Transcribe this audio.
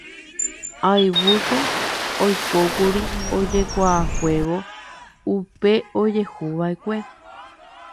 Ayvúko oikókuri ojekuaakuévo upe ojehuvaʼekue.